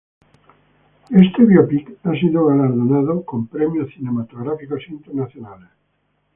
Este biopic ha sido galardonada con premios cinematográficos internacionales.